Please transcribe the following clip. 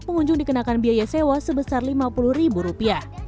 pengunjung dikenakan biaya sewa sebesar rp lima puluh